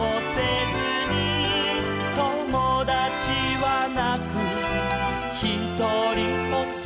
「ともだちはなくひとりぽっち」